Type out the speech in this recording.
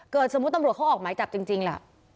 เกิดสมมติตำรวจเขาออกหมายจับจริงแล้ว